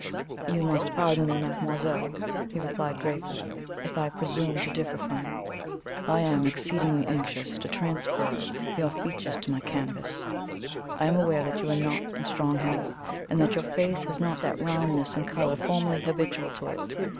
"You must pardon me, mademoiselle," he replied gravely, "if I presume to differ from you. I am exceedingly anxious to transfer your features to my canvas. I am aware that you are not in strong health, and that your face has not that roundness and colour formerly habitual to it.